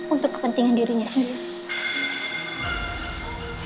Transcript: untuk kepentingan dirinya sendiri